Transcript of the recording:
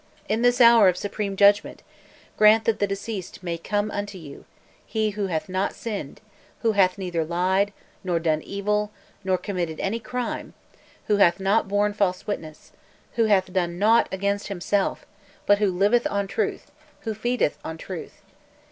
in this hour of supreme judgment; grant that the deceased may come unto you, he who hath not sinned, who hath neither lied, nor done evil, nor committed any crime, who hath not borne false witness, who hath done nought against himself, but who liveth on truth, who feedeth on truth.